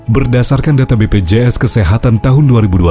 berdasarkan data bpjs kesehatan tahun dua ribu dua puluh